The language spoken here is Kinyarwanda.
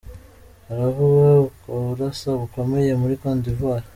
Haravugwa ukurasa gukomeye muri Cote d'Ivoire.